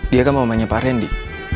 dia kan mau tanya pak randy